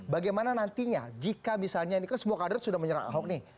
bagaimana nantinya jika misalnya ini kan semua kader sudah menyerang ahok nih